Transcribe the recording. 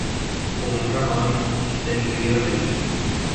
Kui mul raha on, siis teen kõigile välja.